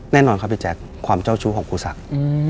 แน่นอนครับอย่าแจกความเจ้าชู้ของครูสัตว์